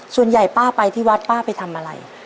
ส่วนใหญ่ป้าไปที่วัดป้าไปทำอะไร